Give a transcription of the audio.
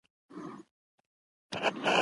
ته چي صبر کوې ټوله مجبوري ده